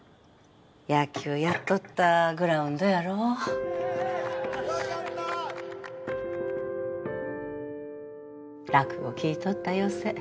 野球やっとったグラウンドやろ落語聴いとった寄席